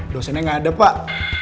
dosennya gak ada pak